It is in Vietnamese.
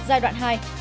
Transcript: giai đoạn hai